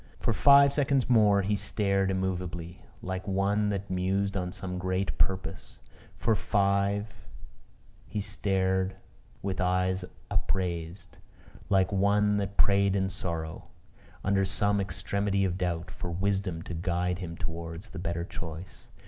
For five seconds more he sate immovably, like one that mused on some great purpose. For five he sate with eyes upraised, like one that prayed in sorrow, under some extremity of doubt, for wisdom to guide him towards the better choice.